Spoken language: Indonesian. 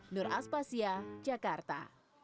nur aspasya jakarta